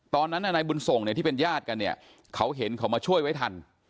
ตอนนั้นนายบุญสงศ์ที่เป็นญาติกันเขาเห็นเขามาช่วยไว้ทัน